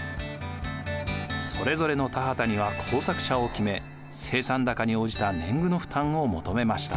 それぞれの田畑には耕作者を決め生産高に応じた年貢の負担を求めました。